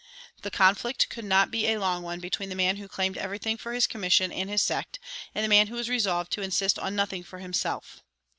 The conflict could not be a long one between the man who claimed everything for his commission and his sect and the man who was resolved to insist on nothing for himself.